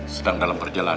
sedang dalam perjalanan